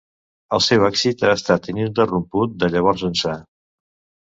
El seu èxit ha estat ininterromput de llavors ençà.